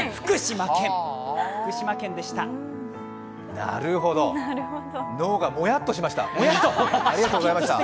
なるほど、脳がもやっとしました。